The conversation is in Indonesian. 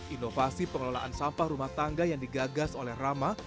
inovasi pengelolaan sampah rumah tangga yang digagas oleh rama